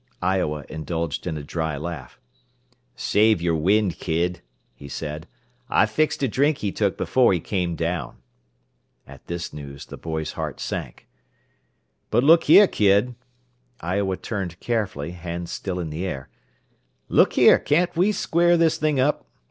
Iowa indulged in a dry laugh. "Save your wind, kid," he said. "I fixed a drink he took before he came down." At this news the boy's heart sank. "But look here, kid." Iowa turned carefully, hands still in the air. "Look here, can't we square this thing up?